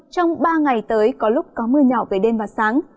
trong ba ngày tới có lúc có mưa nhỏ về đêm và sáng